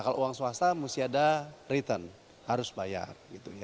kalau uang swasta mesti ada return harus bayar